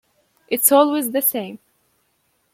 It’s always the same.